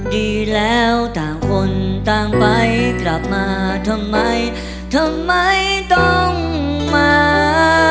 ดีแล้วต่างคนต่างไปกลับมาทำไมทำไมต้องมา